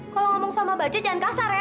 kalo ngomong sama baja jangan kasar ya